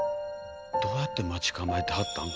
どうやって待ち構えてはったん？